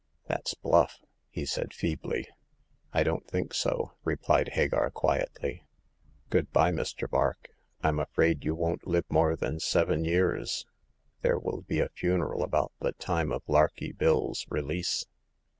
'' That's bluff," he said, feebly. I don't think so," replied Hagar, quietly. " Good by, Mr. Vark. Fm afraid you won't live more than seven years; there will be a funeral about the time of Larkey Bill's release."